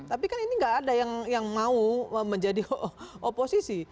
tidak ada yang mau menjadi oposisi